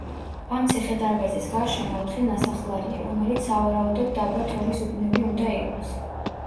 ამ ციხე-დარბაზის გარშემო ოთხი ნასახლარია, რომელიც სავარაუდოდ დაბა თორის უბნები უნდა იყოს.